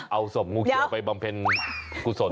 เอาศพงูเขียวไปบำเพ็ญกุศล